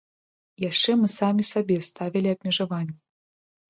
Яшчэ мы самі сабе ставілі абмежаванні.